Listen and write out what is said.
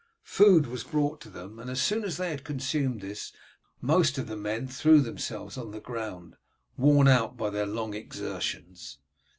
Food was brought to them, and as soon as they had consumed this, most of the men threw themselves on the ground, worn out by their long exertions.